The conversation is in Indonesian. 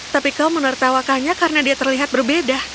tapi kau menertawakannya karena dia terlihat berbeda